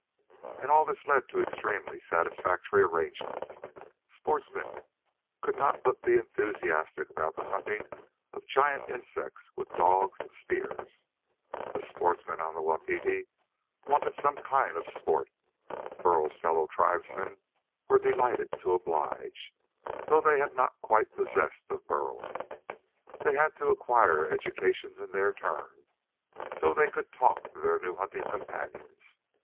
And all this led to extremely satisfactory arrangements. Sportsmen could not but be enthusiastic about the hunting of giant insects with dogs and spears. The sportsmen on the Wapiti wanted some of that kind of sport. Burl's fellow tribesmen were delighted to oblige, though they had not quite the zest of Burl. They had to acquire educations in their turn, so they could talk to their new hunting companions.